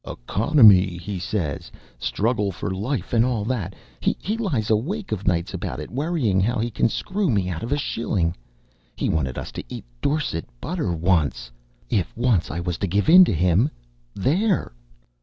'Economy' he says; 'struggle for life,' and all that. He lies awake of nights about it, worrying how he can screw me out of a shilling. He wanted us to eat Dorset butter once. If once I was to give in to him there!"